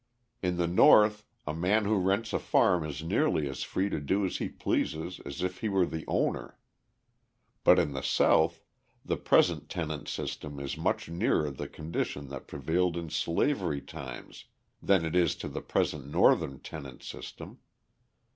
In the North, a man who rents a farm is nearly as free to do as he pleases as if he were the owner. But in the South, the present tenant system is much nearer the condition that prevailed in slavery times than it is to the present Northern tenant system.